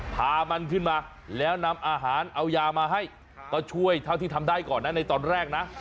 พามันขึ้นมาแล้วนำอาหารเอายามาให้ก็ช่วยเท่าที่ทำได้ก่อนนะในตอนแรกนะ